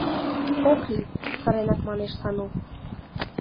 — Ок лий! — сыренрак манеш Сану.